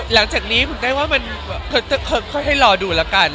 อ๋อหลังจากนี้คุณได้ว่าเคฮ่อให้รอดูแล้วกัน